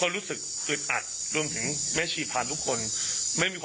นี่นี่นี่นี่นี่นี่นี่นี่นี่